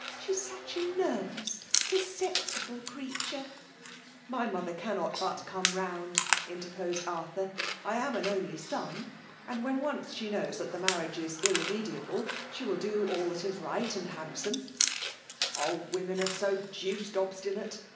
—" She is such a nervous,, susceptible creature !"" My mother cannot but come round," in terposed Arthur ;" I am an only son ; and when once she knows that the marriage i$ irremediable, she will do all that is right and handsome/' "Old women are so deuced obstinate!"